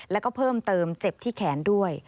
แล้วก็เพิ่มเติมเจ็บที่แขนด้วย